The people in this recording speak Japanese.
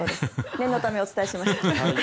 念のためお伝えしました。